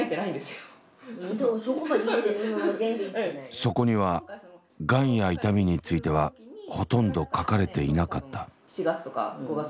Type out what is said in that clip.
そこにはがんや痛みについてはほとんど書かれていなかった。